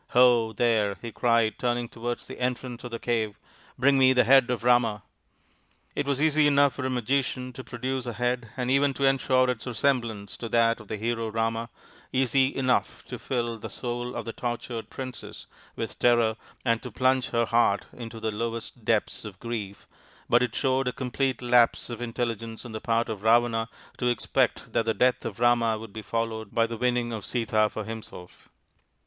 Ho, there !" he cried, turning towards the entrance to the cave, " bring me the head of Rama !" It was easy enough for a magician to produce a head and even to ensure its resemblance to that of the hero Rama, easy enough to fill the soul of the tortured princess with terror and to plunge her heart into the lowest depths of grief, but it showed a complete lapse of intelligence on the part of Ravana to expect that the death of Rama would be followed by the winning of Sita for himself.